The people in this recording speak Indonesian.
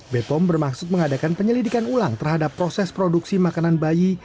bepom bermaksud mengadakan penyelidikan ulang terhadap proses produksi makanan bayi